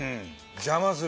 邪魔する？